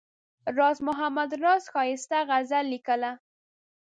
راز محمد راز ښایسته غزل لیکله.